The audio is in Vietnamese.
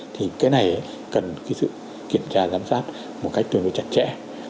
thì cái này cần kiểm tra giám sát một cách tuyệt vời chặt chẽ